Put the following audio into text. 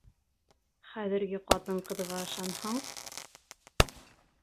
Хәҙерге ҡатын-ҡыҙға ышанһаң...